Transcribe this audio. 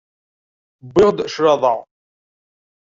Wwiɣ-d claḍa.